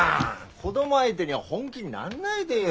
子供相手に本気になんないでよ。